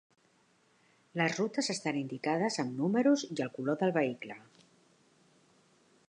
Les rutes estan indicades amb números i el color del vehicle.